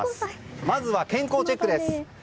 まず健康チェックです。